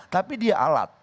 tapi dia alat